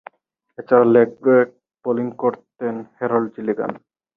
এছাড়াও, leg break bowling করতেন Harold Gilligan.